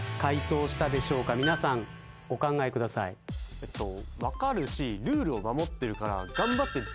えっと分かるしルールを守ってるから。